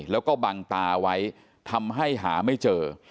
แล้วก็บังตาไว้ทำให้หาไม่เจอ